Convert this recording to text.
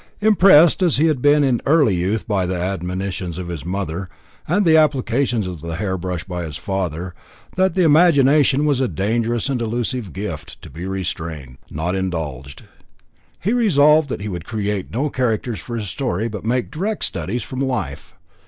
Impressed as he had been in early youth by the admonitions of his mother, and the applications of the hairbrush by his father, that the imagination was a dangerous and delusive gift, to be restrained, not indulged, he resolved that he would create no characters for his story, but make direct studies from life.